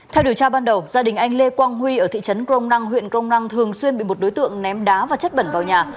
theo điều tra ban đầu gia đình anh lê quang huy ở thị trấn crom năng huyện crong năng thường xuyên bị một đối tượng ném đá và chất bẩn vào nhà